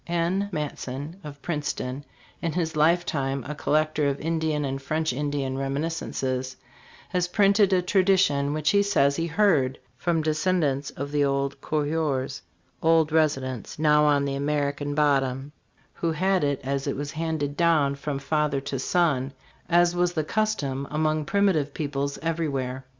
N. Matson.f of Princeton, in his lifetime a collector of Indian and French Indian reminiscences, has printed a tradition, which he says he heard from descendants of the old coureurs, old residents now on the Amer ican Bottom, who had it as it was handed down from father to son, as was the custom among primitive peoples everywhere.